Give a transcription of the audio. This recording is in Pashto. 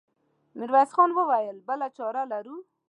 ميرويس خان وويل: بله چاره لرو؟